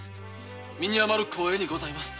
身に余る光栄でございます。